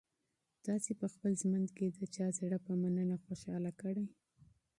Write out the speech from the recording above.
تاسي په خپل ژوند کي د چا زړه په مننه خوشاله کړی؟